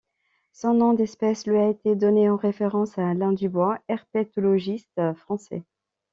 Son nom d'espèce lui a été donné en référence à Alain Dubois, herpétologiste français.